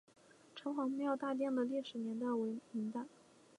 城隍庙大殿的历史年代为明代。